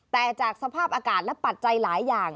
แต่จากสภาพอากาศและปัจจัยหลายอย่าง